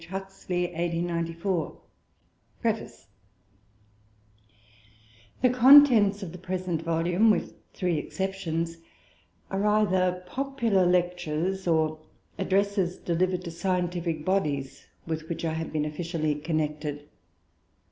HUXLEY 1894 PREFACE The contents of the present volume, with three exceptions, are either popular lectures, or addresses delivered to scientific bodies with which I have been officially connected.